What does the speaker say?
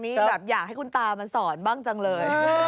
นี่แบบอยากให้คุณตามันสอนบ้างจังเลย